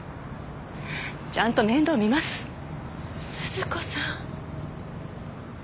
ちゃんと面倒みます鈴子さん